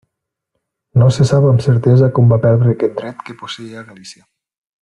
No se sap amb certesa com va perdre aquest dret que posseïa Galícia.